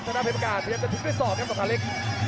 สำการเล็กจะถึงด้วยสอบครับสำการเล็ก